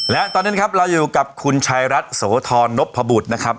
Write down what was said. และตอนนั้นครับเราอยู่กับคุณชายรัฐโสธรนพบุตรนะครับ